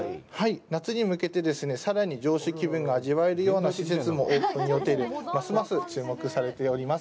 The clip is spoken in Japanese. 夏に向けて、さらに城主気分が味わえるような施設もオープン予定で、ますます注目されております。